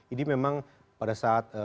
ini memang pada saat